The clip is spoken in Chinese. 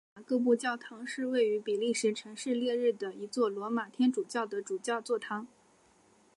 圣雅各布教堂是位于比利时城市列日的一座罗马天主教的主教座堂。